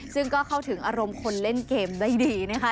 ซึ่งก็เข้าถึงอารมณ์คนเล่นเกมได้ดีนะคะ